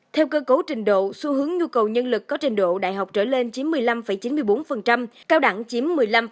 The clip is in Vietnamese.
theo cơ cấu trình độ xu hướng nhu cầu nhân lực có trình độ đại học trở lên chín mươi năm chín mươi bốn cao đẳng chiếm một mươi năm ba mươi hai